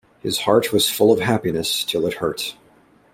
His heart was full of happiness till it hurt.